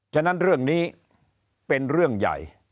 ฉะนั้นเรื่องนี้เป็นเรื่องใหญ่